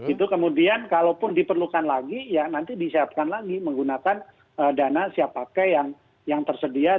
itu kemudian kalaupun diperlukan lagi ya nanti disiapkan lagi menggunakan dana siap pakai yang tersedia